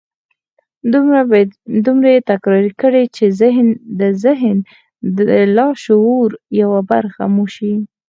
دومره يې تکرار کړئ چې د ذهن د لاشعور يوه برخه مو شي.